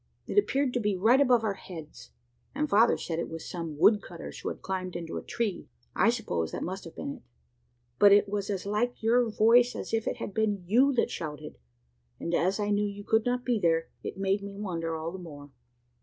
It appeared to be right above our heads; and father said it was some wood cutters who had climbed into a tree. I suppose that must have been it; but it was as like your voice as if it had been you that shouted, and as I knew you could not be there, it made me wonder all the more.